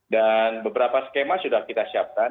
dan beberapa skema sudah kita siapkan